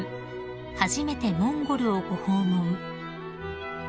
初めてモンゴルをご訪問］